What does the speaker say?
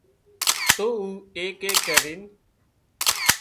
تو او ايڪ ايڪ ڪرينَ